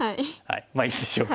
まあいいでしょう。